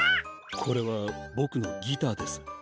これはボクのギターです。